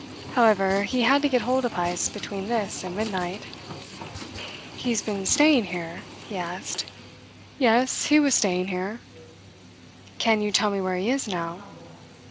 However, he had to get hold of Heyst between this and midnight: "He has been staying here?" he asked. "Yes, he was staying here." "Can you tell me where he is now?"